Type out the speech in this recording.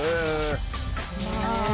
うわ。